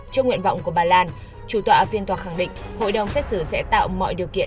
trong nguyện vọng của bà lan chủ tọa phiên tòa khẳng định hội đồng xét xử sẽ tạo mọi điều kiện